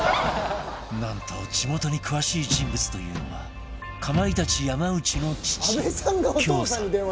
なんと地元に詳しい人物というのはかまいたち山内の父恭さん